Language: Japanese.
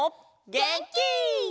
げんき！